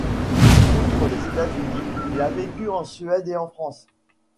Outre les États-Unis, il a vécu en Suède et en France.